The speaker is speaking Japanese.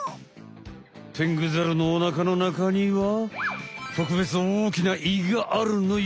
テングザルのお腹のなかにはとくべつおおきな胃があるのよ。